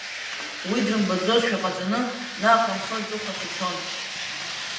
Уи дрымбаӡозшәа ҟаҵаны, наҟ рымхы аҵыхәахь ицон.